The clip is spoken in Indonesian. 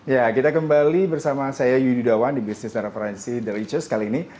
ya kita kembali bersama saya yudi dawan di bisnis dan referensi the rechurs kali ini